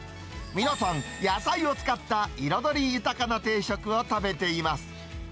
皆さん、野菜を使った彩り豊かな定食を食べています。